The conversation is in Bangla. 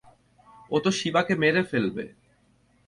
ও তো শিবাকে মেরে ফেলবে।